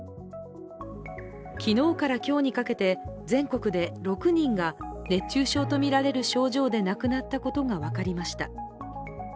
昨日から今日にかけて、全国で６人が熱中症とみられる症状で亡くなったことが分かりました。